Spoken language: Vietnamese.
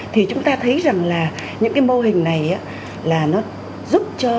thì chúng ta thấy rằng là những cái mô hình này là nó giúp cho